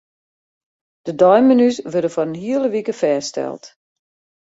De deimenu's wurde foar in hiele wike fêststeld.